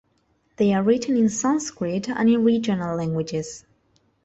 They are written in Sanskrit and in regional languages.